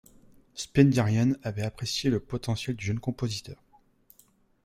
Spendiaryan avait apprécié le potentiel du jeune compositeur.